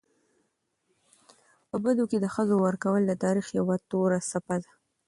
په بدو کي د ښځو ورکول د تاریخ یوه توره څپه ده.